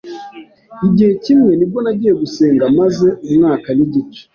Igihe kimwe nibwo nagiye gusenga maze umwaka n’igice